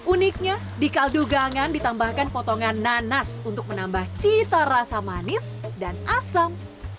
uniknya di kaldu gangan ditambahkan potongan nanas untuk menambah cita rasa manis dan asam